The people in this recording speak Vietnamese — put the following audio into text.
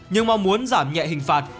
nhưng mong muốn giảm nhẹ hình phạt